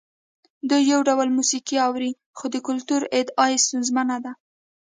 دوی یو ډول موسیقي اوري خو د کلتور ادعا یې ستونزمنه ده.